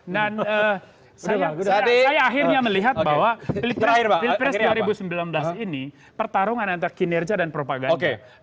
dan saya akhirnya melihat bahwa pilpres dua ribu sembilan belas ini pertarungan antara kinerja dan propaganda